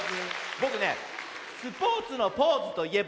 ぼくね「スポーツのポーズといえば？」